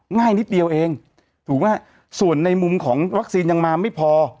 ง่ายนิดเดียวเองถูกไหมฮะส่วนในมุมของวัคซีนยังมาไม่พอ